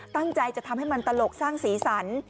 ตั้งใจจะทำให้มันตลกสร้างสีสัน